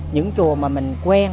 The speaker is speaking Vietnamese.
những chùa mà mình quen